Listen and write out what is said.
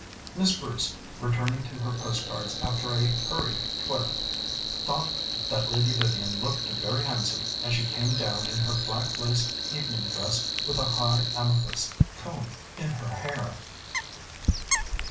Miss Bruce, returning to her postcards after a hurried toilet, thought that Lady Vivian looked very handsome as she came down in her black lace evening dress with a high amethyst comb in her hair.